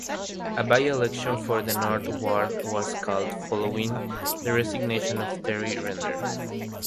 A by-election for the North ward was called following the resignation of Terry Render.